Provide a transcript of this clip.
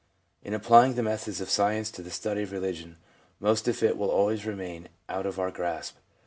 In applying the methods of science to the study of religion, most of it will always remain out of our grasp.